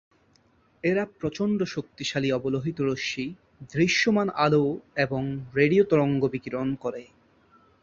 এরা প্রচন্ড শক্তিশালী অবলোহিত রশ্মি, দৃশ্যমান আলো এবং রেডিও তরঙ্গ বিকিরণ করে।